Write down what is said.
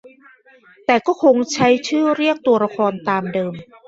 แต่ก็ยังคงใช้ชื่อเรียกตัวละครตามเดิม